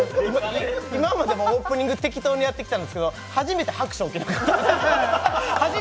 今までのオープニング、適当にやってきたんですけど初めて拍手を受けなかった。